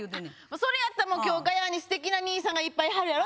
それやったら今日『ガヤ』にステキな兄さんがいっぱいいはるやろ。